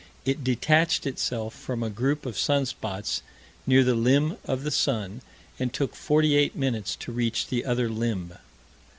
It detached itself from a group of sun spots near the limb of the sun, and took 48 minutes to reach the other limb.